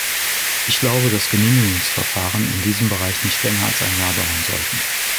Ich glaube, dass Genehmigungsverfahren in diesem Bereich nicht länger als ein Jahr dauern sollten.